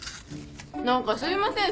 何かすいません